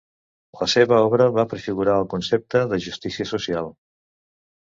La seva obra va prefigurar el concepte de justícia social.